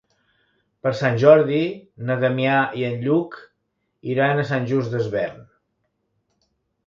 Per Sant Jordi na Damià i en Lluc iran a Sant Just Desvern.